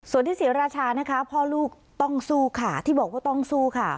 ส่วนที่ศรีราชานะคะพ่อลูกต้องสู้ค่ะที่บอกว่าต้องสู้ค่ะ